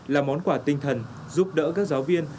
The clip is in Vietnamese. là món quà tinh thần giúp đỡ các giáo viên